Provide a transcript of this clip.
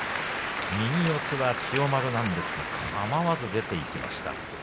右四つは千代丸ですがかまわず出ていきました。